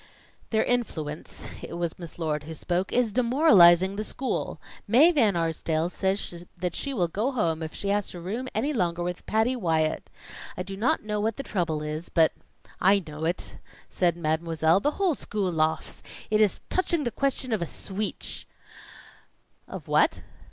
"Their influence," it was Miss Lord who spoke, "is demoralizing the school. Mae Van Arsdale says that she will go home if she has to room any longer with Patty Wyatt. I do not know what the trouble is, but " "I know it!" said Mademoiselle. "The whole school laughs. It is touching the question of a sweetch." "Of what?"